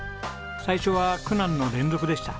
最初は苦難の連続でした。